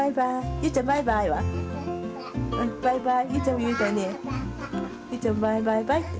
ゆうちゃんもバイバイバイって。